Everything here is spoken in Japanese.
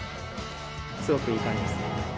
すごくいい感じです。